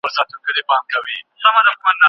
آیا د حیواناتو سره نېکي کول د ثواب کار دی؟